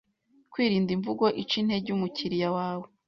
kwirinda imvugo ica intege umukiliya wawe.